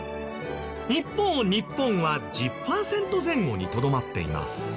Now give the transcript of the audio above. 一方日本は１０パーセント前後にとどまっています。